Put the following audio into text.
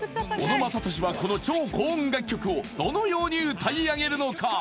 小野正利はこの超高音楽曲をどのように歌い上げるのか？